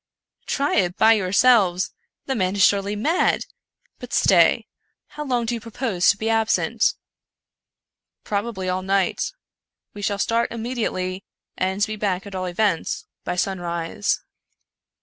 " Try it by yourselves 1 The man is surely mad !— but stay !— how long do you propose to be absent ?" 134 Edzar Allan Poe 'it " Probably all night. We shall start immediately, and be back, at all events, by sunrise."